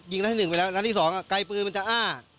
ยิงรถที่หนึ่งไปแล้วรถที่สองไกลปืนมันจะอ้า